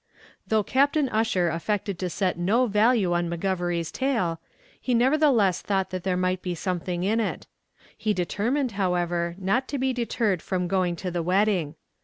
Though Captain Ussher affected to set no value on McGovery's tale, he nevertheless thought that there might be something in it. He determined, however, not to be deterred from going to the wedding.